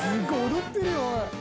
踊ってるよおい！